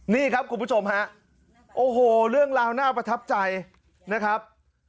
นี่ครับคุณผู้ชมฮะโอ้โหเรื่องราวน่าประทับใจนะครับ